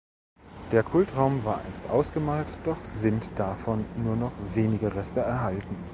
Der Kultraum war einst ausgemalt, doch sind davon nur noch wenige Reste erhalten.